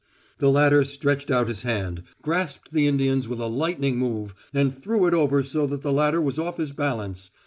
The latter stretched out his hand, grasped the Indian's with a lightning move, and threw it over so that the latter was off his balance.